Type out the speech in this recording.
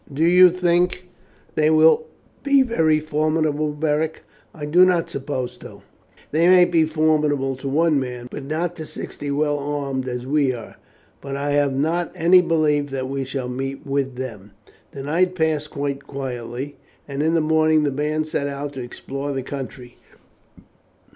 "Do you think they will be very formidable, Beric?" "I do not suppose so. They might be formidable to one man, but not to sixty well armed as we are; but I have not any belief that we shall meet with them." The night passed quite quietly, and in the morning the band set out to explore the country.